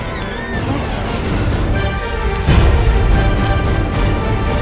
tapi kok sekarang bisa ada di sini